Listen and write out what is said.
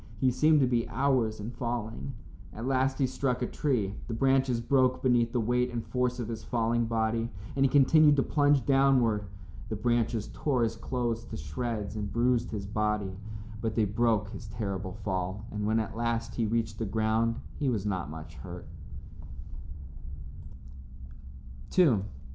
He seemed to be hours in falling. At last he struck a tree. The branches broke beneath the weight and force of his falling body, and he continued to plunge downward. The branches tore his clothes to shreds and bruised his body, but they broke his terrible fall, and when at last he reached the ground he was not much hurt.